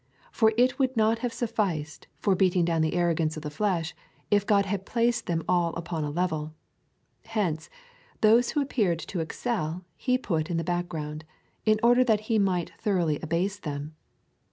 For it would not have sufficed, for beating down the arrogance of the flesh, if God had placed them all upon a level. Hence, those who appeared to excel he put in the background, in order that he might thoroughly abase them.